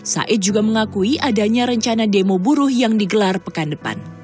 said juga mengakui adanya rencana demo buruh yang digelar pekan depan